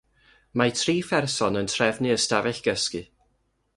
Mae tri pherson yn trefnu ystafell gysgu